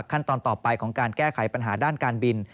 ขั้นตอนต่อไปของการแก้ไขปัญหาด้านการบิน